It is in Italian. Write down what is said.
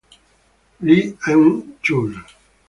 Lee Eun-chul